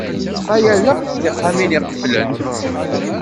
Ttxayaleɣ-d tixxamin iqeflen.